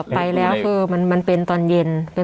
ไปแล้วคือมันเป็นตอนเย็น